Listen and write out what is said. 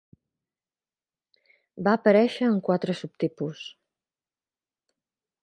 Va aparèixer en quatre subtipus.